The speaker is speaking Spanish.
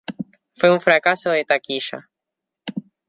Fue un fracaso de taquilla.